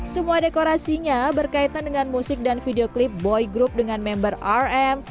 semua dekorasinya berkaitan dengan musik dan video klip boy group dengan member rm